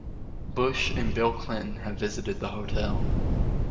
Bush, and Bill Clinton have visited the hotel.